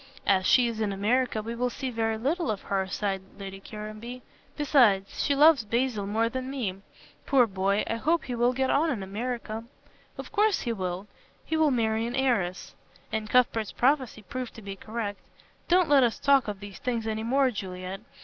"As she is in America we will see very little of her," sighed Lady Caranby, "besides, she loves Basil more than me. Poor boy, I hope he will get on in America." "Of course he will. He will marry an heiress " And Cuthbert's prophecy proved to be correct "Don't let us talk of these things any more, Juliet.